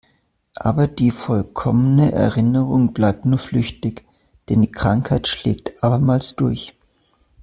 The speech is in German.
Aber die vollkommene Erinnerung bleibt nur flüchtig, denn die Krankheit schlägt abermals durch.